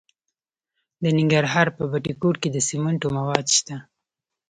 د ننګرهار په بټي کوټ کې د سمنټو مواد شته.